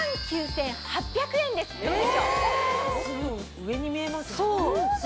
上に見えます。